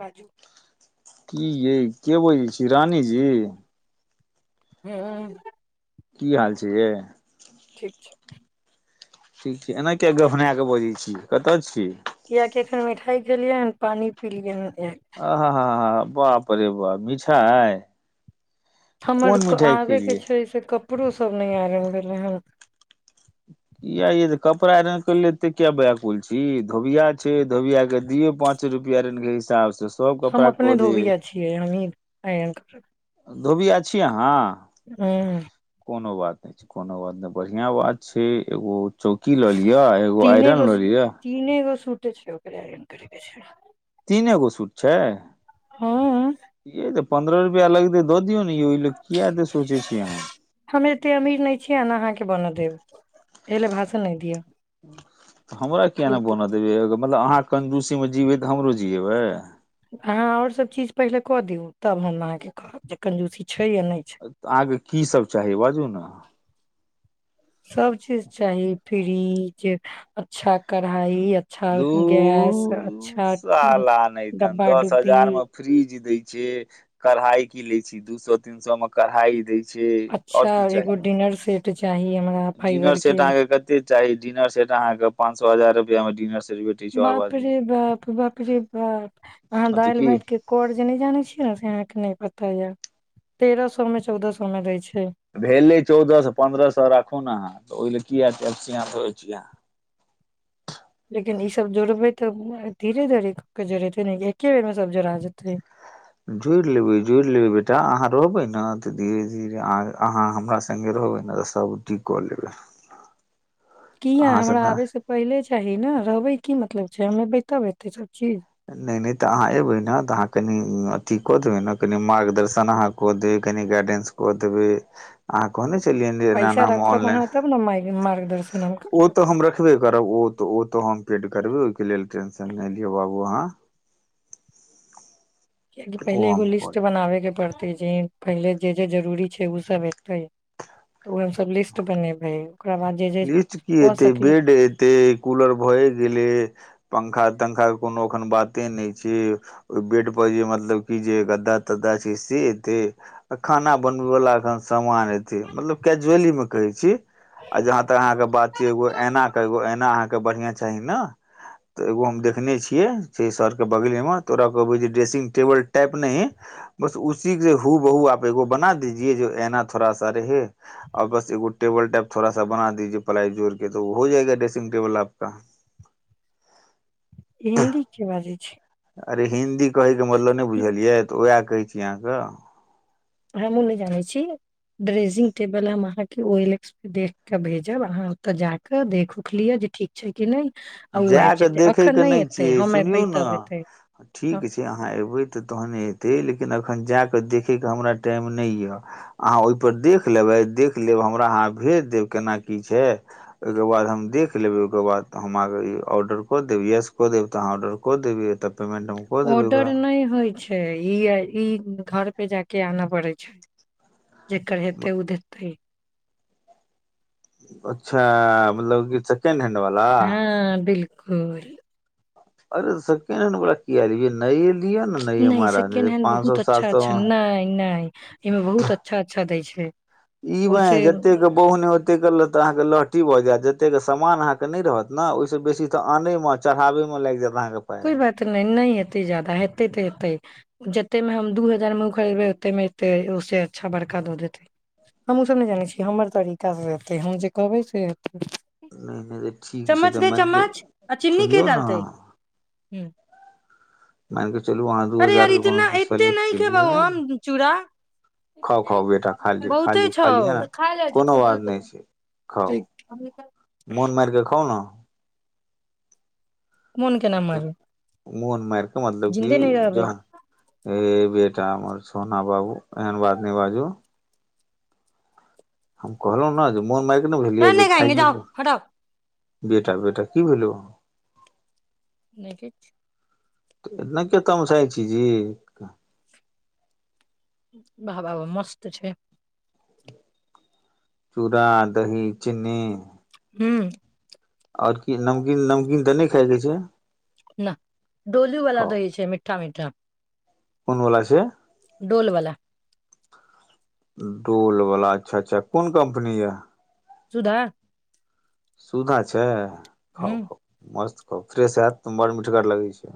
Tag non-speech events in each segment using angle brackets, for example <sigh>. बाजू की यै के बजै छी रानीजी हँ की हाल छै यै ठीक छै ठीक छै एना किया गभना के बजैत छी कतऽ छी कियाकि एखन मिठाइ खेलियै हन पानी पिलियै आ ह ह ह बाप रे बा मिठाइ हमर कोन मिठाइ आबे के खेलियै छै से कत कपड़ो सब नहि आयरन भेलै हन किये यै तऽ कपड़ा आयरन करैले एते किये व्याकुल छी धोबिया छै धोबिया के दियौ पाँच रुपया आयरन के हिसाब से सब हम कपड़ा अपने कऽ दे धोबिया छियै हमही आयरन करबै धोबिया छी अहाँ हँ अच्छा कोनो बात नहि बढ़ियां बात छै एगो चौकी लऽ लिअ एगो तीने आइरन गो लऽ लिअ तीने गो सूटे छै ओकरे आयरन करै के छै तीने गो सूट छै हँ ये तऽ पन्द्रह रुपया लगतै दऽ दियौ न यै ओहिले किये अत्तै सोचै छी अहाँ हम एते अमीर नहि छियै ने अहाँके बनऽ देब एहि ले भाषण नहि दिय हमरा किये नहि बनऽ देब यै एगो मतलब अहाँ कंजूसीमे जिबै तऽ हमरो जियेबै अहाँ आओर सभ चीज पहिले कऽ दियौ तब हम अहाँके कहब जे कंजूसी छै या नहि छै तऽ अहाँके कीसभ चाही बाजू ने सब चीज चाही फ्रीजे अच्छा करहा चाही अच्छा दू गैस अच्छा साला नहितन डब्बा दस डुब्बी हजार मे फ्रिज दै कढ़ाई कीन लै छै दू सौ तीन सौ मे कढ़ाई दै छै अच्छा आओर की एगो चाही डिनर सेट चाही हमरा फाइबर डिनर सेट के अहाँके कते चाही डिनर सेट अहाँ के पांन सौ हजार रुपयामे डिनर सेट भेटै छै आओर बाप बाजू रे बाप बाप रे बाप अहाँ हँ तऽ दालि की भात के कौर जे नहि जाने छियै ने से अहाँके नहि पता तयो तेरह सौ मे चौदह सौ मे दै छै भेलै चौदहसँ पन्द्रह सौ राखू न अहाँ ओहि ल कीया एते अपसियात होइ छी अहाँ लेकिन ईसभ जोड़बै तऽ धीरे धीरे क जोड़ेतै न की एके बेरमे सभ जोड़ा जेतै जुड़ि लेबै जुड़ि लेबै बेटा अहाँ रहबै न तऽ धीरे धीरे अह अहाँ हमरा संगे रहबै न तऽ सभ ठीक कऽ लेबै किया अहाँसँ हमरा ने आबे सँ पहिले चाही न रहबै की मतलब छै हमे बैतब एतै त नइ नइ तऽ अहाँ एबै ने तऽ अहाँ कनि अथी कऽ देबै ने कनि मार्गदर्शन अहाँ कऽ देबै कनि गाइडेंस कऽ देबै अहाँ कहने छलिये न जे एना पैसा एना रखब अहाँ ऑनलाइन तब ने मार्ग- मार्गदर्शन हम करब। ओ तऽ हम रखबे करब ओ तऽ ओ तऽ हम पेड करबे ओहिके लेल टेंशन नहि लियौ बाबू अहाँ किआकि ओ पहिले एगो हम कऽ लिस्ट बनाबे के पड़ते जे पहिले जे जे जरूरी छै ओ सब हेते तऽ ओ हम सब लिस्ट बनेबे लिस्ट कीऽ हेतै बेड एते कूलर भए गेलै पंखा पंखा क कोनो अखन बाते नइ छै ओइ बोड पर जे मतलब की जे गद्दा तद्दा छै से एतै आ खाना बनबै बला अखन समान एतै मतलब केजवली म कहै छी आ जहाँ तक अहाँके बात छै एगो एना के एगो एना अहाँ क बढ़िया चाही न त एगो हम देखने छिये सर के बगले म तोरा कहबै ज ड्रेसिंग टेबुल टाइप नइ बस उसी के हु बहु आप एगो बना दिजिए जो एना थोड़ा सा रहे आ बस एगो टेबल टाइप थोड़ा सा बना दीजिय पलाई जोर के त हो जाएगा ड्रेसिंग टेबल आपका हिन्दी के बाजै छी अरे हिन्दी कहै कऽ मतलब नइ बुझलियै तऽ ओएह कहै छी अहाँ कऽ हमहुँ नहि जाने छी ड्रेसिंग टेबल हम अहाँके ओ एल एक्स पे देख के भेजब अहाँ ओतऽ जााक देख उख लिअ जे ठीक छै कि नहि आ ओ जा आबि कऽ जेतै अखन देखैके नहि एतै छियै हम एबै सुनियौ तब एतै न हँ, ठीक छै अहाँ एयबै तऽ तहने एतै लेकिन एखन जाकऽ देखैके हमरा टाइम नहि यऽ अहाँ ओहिपर देख लेबै देख लेब हमरा अहाँ भेज देब केना की छै ओहिके बाद हम देख लेबै ओहिके बाद हम आहाँ क ई ऑर्डर क देब यस क देब तऽ हाँ ऑर्डर क देबै तब ऑर्डर नहि होइ छै ई ई घर पे जायकऽ आना पड़ै छै जेकर हेतै ओ देतै अच्छा मतलब की सेकेंड हैंड वाला हँ बिल कुल अरे सकेण्ड बला किया नये लि नहि सेकेंड हेंड बहुत अच्छा सए अच्छा मे नहि नहि इमे बहुत अच्छा अच्छा दै छै जठीक ई बाइह जते के बहु ने ओते ततेक क लऽ तऽ अहाँके लहटी भऽ जायत जतेक समान अहाँके नहि रहत ने ओहिसँ बेसी तऽ आनयमे चढ़ाबै मे लागि जायत अहाँके पाय कोइ बात नइ नइ एतै जादा हेतै तऽ हेतै जते मे हम दू हजार मे खरीदबै ओते मे एतै उहो से अच्छा बड़का दऽ देते हम ओ सब ने जानै छी हमर तरीका से हते हम जे कहबै से हेतै नहि नहि तऽ ठीक छै चम्मच तऽ दे मनकेऽ चम्मच सुनियौ ने ह्म नहि चलू अहाँ दू हजार के कोनो चीज एते सेलेक्ट नहि खेबौ कियै हम चूड़ा खा खा बे बहुते छौ ने खा जा कोनो बात नहि छै खा मोन मारिके खा ने मन केना मार मून मारक मतलब क जो ह बे र छोना बाबू एन बात न बाजू हम कहलहु ने जे मोन माय रहने खएंगे जाउ हटा बेटा बेटा की भेलल नहिके एना कत हम सै छी जी वाह वाह मस्त छै चूड़ा दही चिनी हू आओर की नमकीन नमकीन तऽ नहि खायके छै न डोलू वालला खाउ द ही छै मीठा मीठा कोन बोल छै डोलवलाा डोलवला अच्छा अच्छा कोन कम्पनी यऽ सुधा सुधा छै हँ हूँ ह मस्त फ्रेश हयत त बड़ मिीठगर लगै छै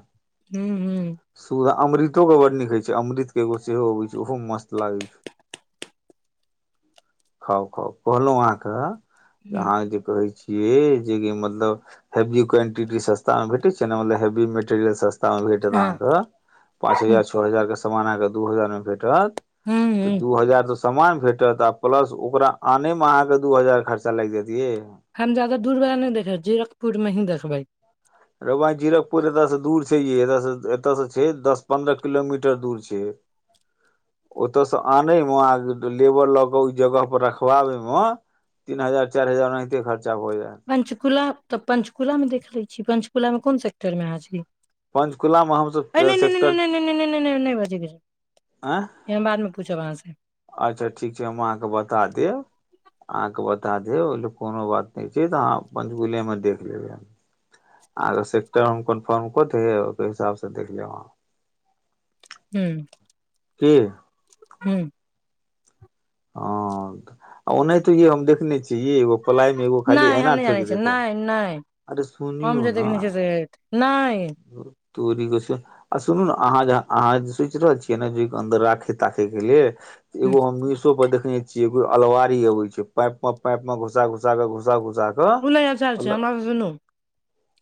हूँ हूँ सुधा अमृतो के बड नखै छै अमृत केगो सेहो अबै छै ओहो मस्त लागै छै खाउ खाउ कहलहु अहाँके हूँ अहाँ जे कहै छी ये जेि मतलब हेवी क्वांटिटी सस्ता मे भेटे छै ने मतलब हेवी मेटेरियल सस्त हँ हूँ <unintelligible> सामान अहाँके दू हजार मे भेटत हूँ तऽ हूँ दू हजार द समामान भेटत आ प्लस ओकरा आने में अहाँ के दू हजार खर्चा लागि जतिै हम जाददा दूर बला नहि देखेै जीरकपुर मे ही देखबै रवाय जीरपुर एतय से दूर छै ये एत से एतय से छै दस पन्द्रह किलोमीटर दूर छै ओतय से आने मे आ लेबर लऽ के ओ जगह पर रखवाबे मे तीन हजार चारि हजार ओनाहिते खर्चा भऽ जायत पञ्चुकुला तऽ पञ्चकूला मे देख ले छीियै पंचकुला मे कोन से्टर मे अहाँ छी पञ्चकुलामे हमसभ अरे नहि सेक्टर आँय यहाँ बाद मे पूछो वहाँ से अच्छा ठीक छै हम अहाँकेँ बता देब अहाँकेँ बता देब ओहि लेल कोनो बात नहि छै तऽ अहाँ पञ्चकुलेमे देख लेबै अहाँके सेक्टर हम कन्फर्म कऽत हब ओहि हिसाबसँ देख लेब अहाँ हू की हँ ओ नहि तऽ य हम देखने छी य एगो पलाइ मे एगो खाली नहि हम एऐना नहि ठेक जानै छियै देताे नहि नहि अरे हम सुनौ जे न देखने छियै से नहि तोरी आ सुनू ने अहाँ अहाँ सोचि रहल छियै ने ज अन्दर राखे ताखे के लेल एगो हम देखने छियै को अलवारी अबै छै पाइप मे पाइप मे घुसा घुसा घुसा घुसा के उल चल छै हमर सुनू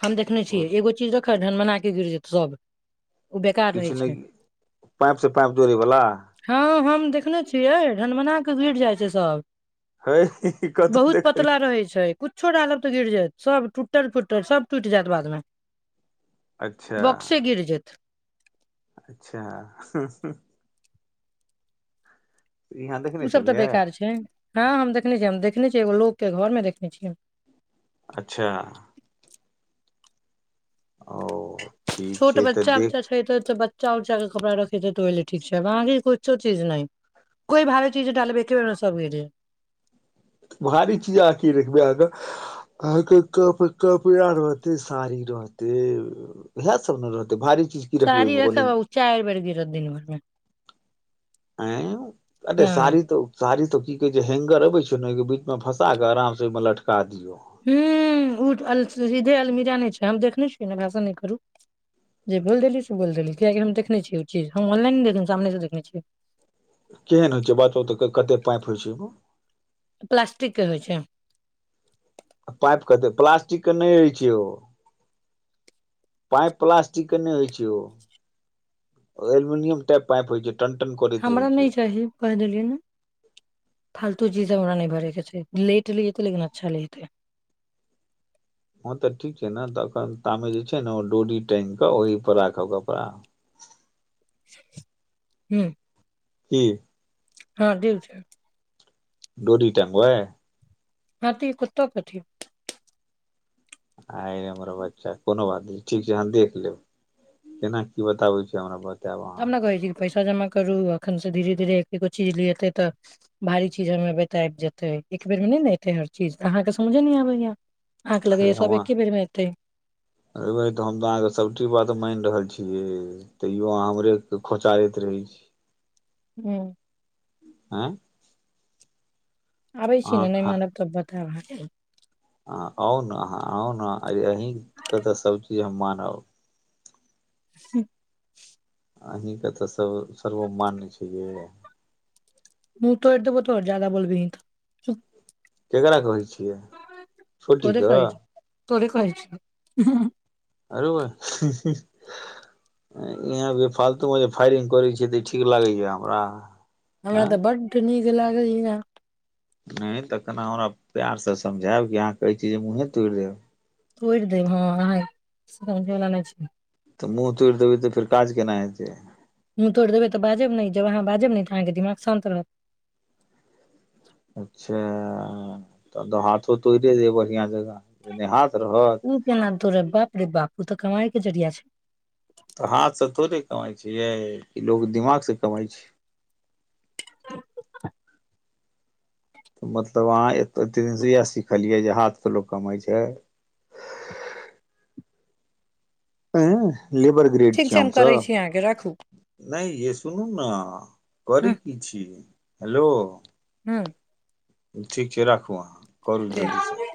हम देखने छियै मतलब एगो चीज रख झनमना के घिर जेतै सब ओ बेकार रहै किछु नहि छै पाइप से पाइप जोड़े वाला हँ हम देखने छियै रनमना के घुर जाइ छै सब है कतहु बहुत देखै पतला रहै छै कु्छो डालब तऽ गिर जायत सब टूट त सभ टुटि जायत बादमे अच्छा बक्से गिर जेत अच्छा यहाँ देखने ओ सब तऽ छलियै बेकार छै हँ हम देखने छियै हम देखने छियै एगो लोक के घर मे देख बुझियऔ अच्छा ओ ठीक छोट छै तऽ बच्चा बच्चा देख छै त त ब्च चाउऊचा के कपड़ा रखे छै तऽ ओहिल ठीक छै अहाँ कुछो चीज नहि कोइ भारे चीज डालबै एके बेरमे सभ गेले भारी चीज अह की रखबे अहाँके अहके कपड़ा रहते साड़ी रहते इएह सब ने रहते भारीीज सारी रख ब उ चारि बेर गिर दिन भरमे आ अरे हँ सारी त सारी त की कहे छै हैंगर अबे छै ने ओ के बीच मे फसा के आराम से ओ मे लटका दियो ह्म्म ओल सीधे अलमीरा नहि छै हम देखने छियै नहि भाषण नहि करू जे बोल देली से बोल देली किियकि हम देखने छियै ओ चीज हम ऑनलाइन देख सामनेसँ देखने छियै केहन होइ छै बातो तऽ कतेक पाइपि होइ छै प्लासटिक के होइ छै आ पाइप कतेक प्लास्टिकके नहि रहै छै ओ पाइप प्लास्टिक के नहि होइ छै ओ एल्युमिनियम टाइप पाइप होइ छै टन टन करैत रहै हमरा छै नहि चाही कहि देलियै ने फालतू जी रा नहि भरके छै लेट ल जेतै लेकिन अच्छा लतै हँ तऽ ठीक छै ने तऽ एखन तामे जे छै ने ओ डोरी टाँगि कऽ ओहहिपर राखब कपड़ा ह्म की हँ डिव छै डोरि टंगबै हति कुतो कथी आइ हमर बच्चा कोनो बात नहि छै ठीक छै हम देख लेब केना की बताबै छी हमरा बता हमना कहै छी पैसा पैसा जमा करु अखन से धीरे धीरे एकगो चीज ले एते तऽ भारी चीज ह एबेत आब जेते एक बेेर मे ने एते हर चीज अहाँ के समझे न आबेया हे हमा रै बैह हम तऽ अहाँके सबची बात मान रहल छी छी यै तैयो अहाँ हमरे खोँचारैत रहै छी हू आँ आबै छी ने नहि खा मानब तब ब तब आहाँके अहाँ आउ ने अहाँ आउ ने अरे अहीँके तऽ सभचीज हम मानब हूँ अही के त कहो सर्वमान छै जे मूह तौर देबो तोहर जादा बोल्बी ही तऽ ककरा कहै छियै छोटीके तोर कहै छियौ आरौ बैह इ आहा बे फालतू मे जे फायरिंग करै छै तऽ ठीक लागे या हमरा हमरा आँ तऽ बड्ड निक निक लागैया ऐयै तखन आहाँ हमरा प्यार सँ समझायब कि अहाँ कहै छीय जे मुँहे तोड़ि देब तोड़ि देब हँ आहाँ समझैवला नहि छै तऽ मुँह तोड़ि देबै तऽ फेर काज केनाइ हेतै मुूँह तोड़ि देबै तऽ बाजब ने जब अहाँ बाजब ने तऽ अहाँके दिमाग शान्त रहत ह तब त हाथो तोड़े देब बढ़ियां जेका नै हाथ रहत ओ केना तोरब बाप रे बापू उ तऽ कामइके जड़िया छै तऽ हाथसँ थोड़े कमाइ छियै कि लोक दिमाग सँ कमाइ छै मतलब अहाँ ए एतेक दिनसँ इएह सिखलियै जे हाथके लोक कमाइ छै <unintelligible> लेबर ग्रेड ठीक छी छै हम करै हमसब छी अहाँके राखू नहि यै सुनू न करै हूँ कि छी हेलो हँ ठीक छै राखू अहाँ करू ठीक जल्दी सँ